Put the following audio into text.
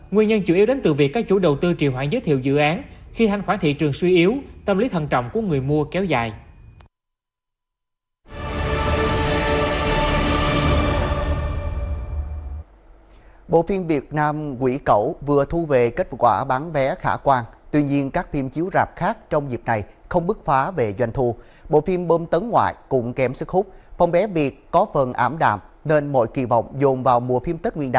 nguyên nhân chủ yếu đến từ việc các chủ đầu tư trì hoãn giới thiệu dự án khi hành khoản thị trường suy yếu tâm lý thân trọng của người mua kéo dài